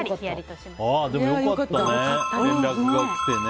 でも良かったね。